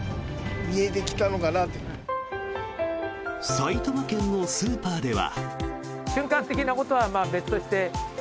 埼玉県のスーパーでは。